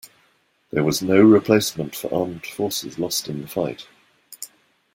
There was no replacement for armed forces lost in the fight.